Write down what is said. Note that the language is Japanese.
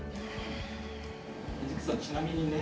ちなみにね。